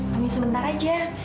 tunggu sebentar aja